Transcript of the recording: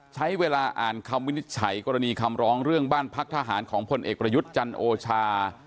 ใช้เวลาอ่านคำวินิจฉัยกรณีคำร้องเรื่องบ้านพักทหารของพลเอกประยุทธ์จันโอชา